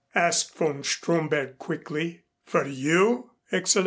asked von Stromberg quickly. "For you, Excellenz?"